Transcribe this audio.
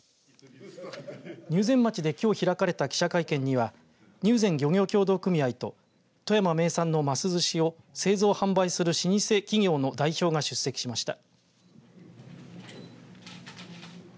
入善町できょう開かれた記者会見には入善漁協協同組合と富山名産のますずしを製造、販売する老舗企業の代表が出席しました。